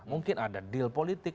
mungkin ada deal politik